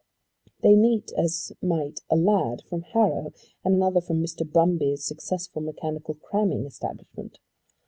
They meet as might a lad from Harrow and another from Mr. Brumby's successful mechanical cramming establishment.